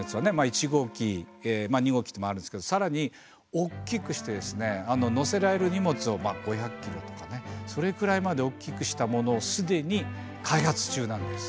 １号機２号機っていうのもあるんですけどさらに大きくしてですね載せられる荷物を５００ｋｇとかねそれくらいまで大きくしたものをすでに開発中なんです。